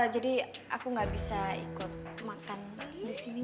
jadi aku gak bisa ikut makan disini